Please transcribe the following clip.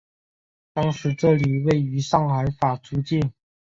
当时这里位于上海法租界。